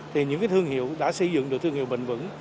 thì những cái thương hiệu đã xây dựng được thương hiệu bình vững